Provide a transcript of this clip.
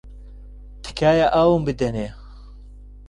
تکایە ئاوم بدەنێ.